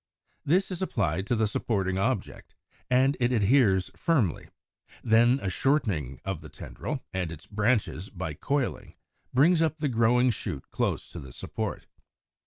This is applied to the supporting object, and it adheres firmly; then a shortening of the tendril and its branches by coiling brings up the growing shoot close to the support.